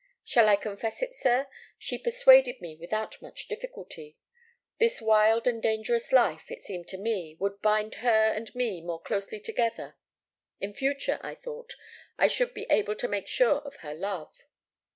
Shall I confess it, sir? She persuaded me without much difficulty. This wild and dangerous life, it seemed to me, would bind her and me more closely together. In future, I thought, I should be able to make sure of her love.